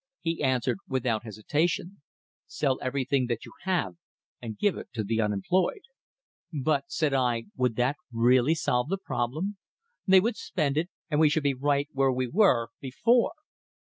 He answered, without hesitation: "Sell everything that you have and give it to the unemployed." "But," said I, "would that really solve the problem. They would spend it, and we should be right where we were before."